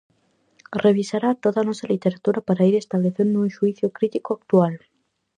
Revisará toda a nosa literatura para ir establecendo un xuízo crítico actual.